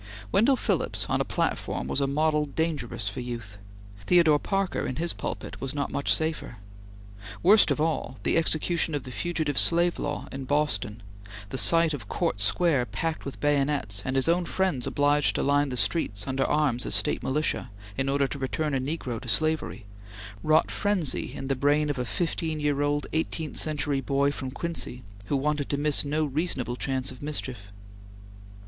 Wendell Phillips on a platform was a model dangerous for youth. Theodore Parker in his pulpit was not much safer. Worst of all, the execution of the Fugitive Slave Law in Boston the sight of Court Square packed with bayonets, and his own friends obliged to line the streets under arms as State militia, in order to return a negro to slavery wrought frenzy in the brain of a fifteen year old, eighteenth century boy from Quincy, who wanted to miss no reasonable chance of mischief.